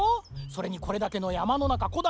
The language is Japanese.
それにこれだけのやまのなかこ